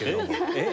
えっ？